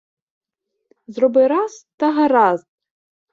Зроби раз, та гаразд!